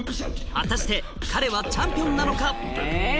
果たして彼はチャンピオンなのか？